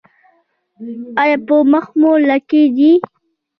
ایا په مخ مو لکې دي؟